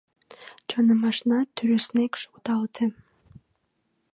Шонымашна тӱрыснек шукталте.